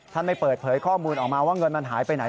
ไม่เปิดเผยข้อมูลออกมาว่าเงินมันหายไปไหน